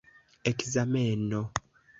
ekzameno